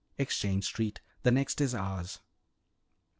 Exchange Street the next is ours."